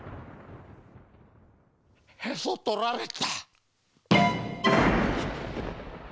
へそとられた。